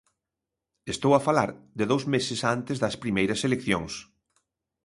Estou a falar de dous meses antes das primeiras eleccións.